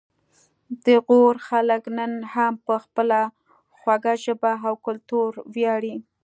د غور خلک نن هم په خپله خوږه ژبه او کلتور ویاړي